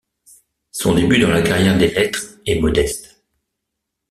Son début dans la carrière des lettres est modeste.